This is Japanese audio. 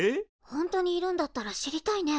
本当にいるんだったら知りたいね